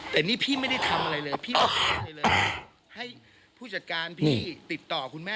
แต่นี่พี่ไม่ได้ทำอะไรเลยพี่ไม่ได้ทำอะไรเลย